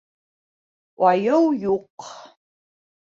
— Айыу юҡ.